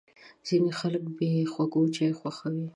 ځینې خلک بې خوږو چای خوښوي.